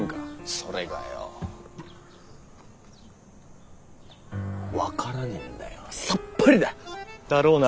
それがよォ分からねぇんだよ。さっぱりだ。だろうな。